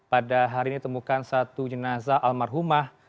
pada hari ini temukan satu jenazah almarhumah